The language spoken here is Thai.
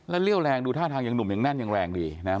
แล้วเลี่ยวแรงดูท่าทางอย่างหนุ่มอย่างแน่นอย่างแรงดีนะ